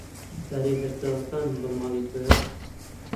ئەرێ هەر چاوەکانم بە ماڵی تۆیە